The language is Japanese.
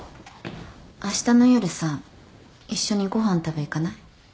あしたの夜さ一緒にご飯食べ行かない？